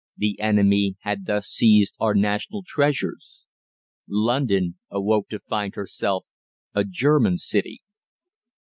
The enemy had thus seized our national treasures. London awoke to find herself a German city.